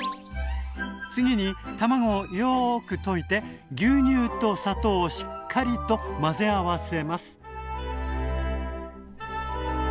次に卵をよく溶いて牛乳と砂糖をしっかりと混ぜ合わせます。